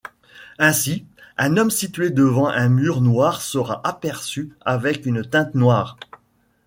Ainsi, un homme situé devant un mur noir sera aperçu avec une teinte noire.